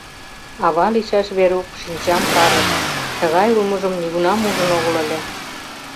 Ава лийшаш Верук шинчам карыш: тыгай улмыжым нигунам ужын огыл ыле.